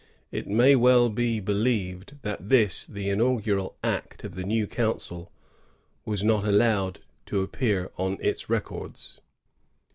It may well be believed that this, the inaugural act of the new council, was not allowed to appear on its records.